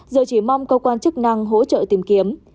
giờ chỉ mong cơ quan chức năng hỗ trợ tìm kiếm